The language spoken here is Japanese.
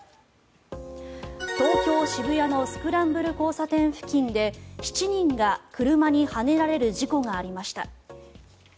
東京・渋谷のスクランブル交差点付近で７人が車にはねられる事故がありました。